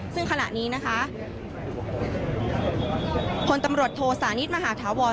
ซึ่งขณะนี้นะคะพลตำรวจโทสานิทมหาธาวร